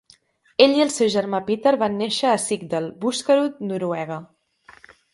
Ell i el seu germà Peter van néixer a Sigdal, Buskerud, Noruega.